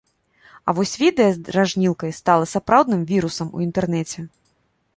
А вось відэа з дражнілкай стала сапраўдным вірусам у інтэрнэце.